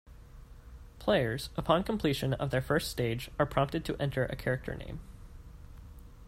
Players, upon completion of their first stage, are prompted to enter a character name.